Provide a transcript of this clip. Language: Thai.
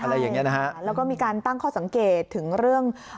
ใช่แล้วก็มีการตั้งข้อสังเกตถึงเรื่อง